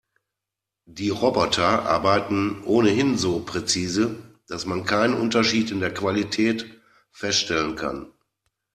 Die Roboter arbeiten ohnehin so präzise, dass man keinen Unterschied in der Qualität feststellen kann.